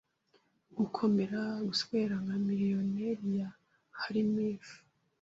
Gukomera, guswera, nka miriyoni ya helminths